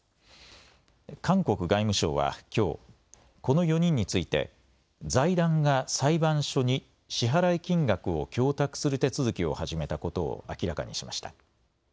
韓国外務省はきょうこの４人について財団が裁判所に支払い金額を供託する手続きを始めたことを明らかにしました。